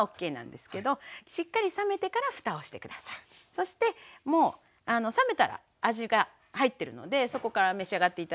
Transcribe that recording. そしてもう冷めたら味が入ってるのでそこから召し上がって頂ける。